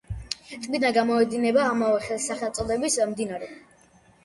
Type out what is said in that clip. ტბიდან გამოედინება ამავე სახელწოდების მდინარე.